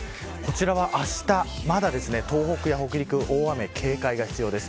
こちらはあした、まだ東北や北陸、大雨に警戒が必要です。